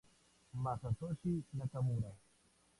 Masatoshi Nakamura